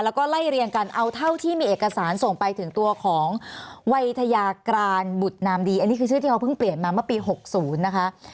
แล้วก็ไล่เรียงกันเอาเท่าที่มีเอกสารส่งไปถึงตัวของวัยทยากรานบุตรนามดีอันนี้คือชื่อที่เขาเพิ่งเปลี่ยนมาเมื่อปี๖๐นะคะ